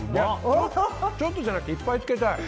ちょっとじゃなくていっぱいつけたい！